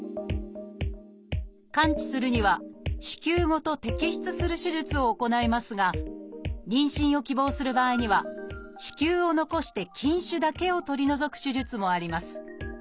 完治するには子宮ごと摘出する手術を行いますが妊娠を希望する場合には子宮を残して筋腫だけを取り除く手術もあります